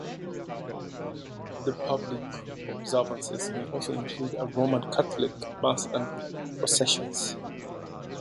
The public observances may also include a Roman Catholic Mass and processions.